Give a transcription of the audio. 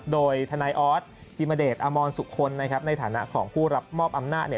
โดยทนายออสกิมเดชอมรสุคลในฐานะของผู้รับมอบอำนาจเนี่ย